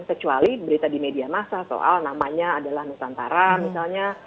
kecuali berita di media masa soal namanya adalah nusantara misalnya